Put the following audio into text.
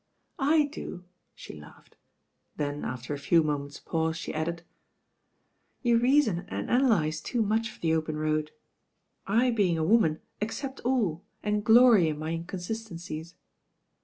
"I do," the laughed, then after a few momenti' pause she added, "You reason and analyse too much for the open road. I being a woman accept all, and glory in my inconsistencies."